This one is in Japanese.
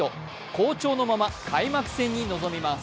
好調のまま開幕戦に臨みます。